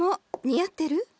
似合ってる？